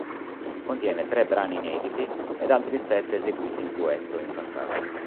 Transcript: Contiene tre brani inediti ed altri sette eseguiti in duetto in passato.